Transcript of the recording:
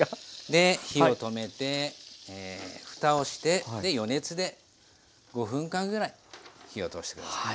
で火を止めてふたをして余熱で５分間ぐらい火を通して下さい。